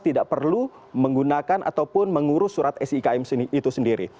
tidak perlu menggunakan ataupun mengurus surat sikm itu sendiri